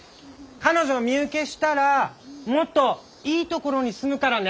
彼女を身請けしたらもっといいところに住むからね！